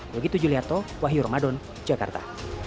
begitu giliarto wahyu ramadan jakarta